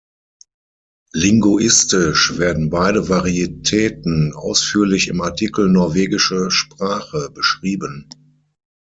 Linguistisch werden beide Varietäten ausführlich im Artikel norwegische Sprache beschrieben.